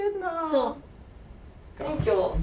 そう。